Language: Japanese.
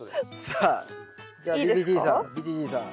さあじゃあＶＧＧさん